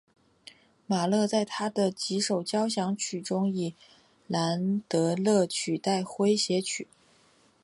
马勒在他的几首交响曲中以兰德勒取代诙谐曲。